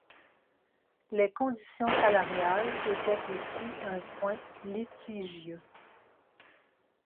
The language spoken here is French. Les conditions salariales étaient aussi un point litigieux.